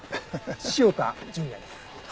潮田純哉です。